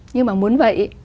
nhưng mà muốn vậy